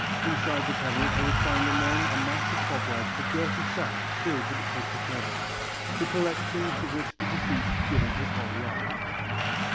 Inside the cabinet there was found among a mass of cobwebs a dirty sack filled with the precious medals, the collection to which the deceased had given his whole life.